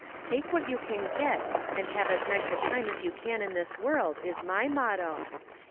Take what you can get, and have as nice a time as you can in this world, is my motto."